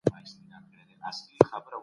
زه اوس مهال یوه نقاسي کوم.